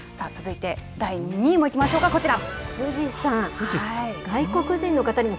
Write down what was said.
続いて、第２位もいきましょうか、こちら。